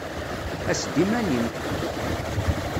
Ass-d iman-im!